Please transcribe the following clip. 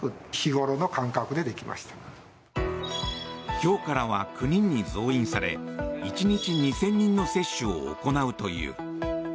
今日からは９人に増員され１日２０００人の接種を行うという。